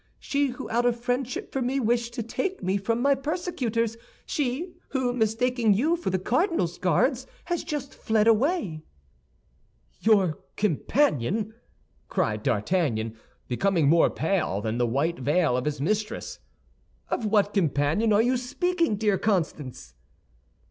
She who out of friendship for me wished to take me from my persecutors. She who, mistaking you for the cardinal's Guards, has just fled away." "Your companion!" cried D'Artagnan, becoming more pale than the white veil of his mistress. "Of what companion are you speaking, dear Constance?"